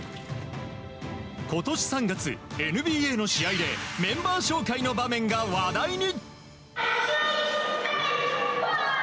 今年３月、ＮＢＡの試合でメンバー紹介の場面が話題に。